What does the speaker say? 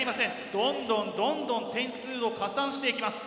どんどんどんどん点数を加算していきます。